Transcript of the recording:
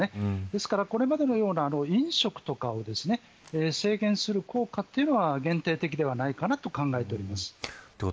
ですから、これまでのような飲食とかを制限する効果というのは限定的ではないかなと考えております。